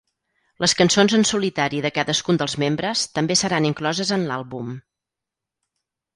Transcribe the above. Les cançons en solitari de cadascun dels membres també seran incloses en l'àlbum.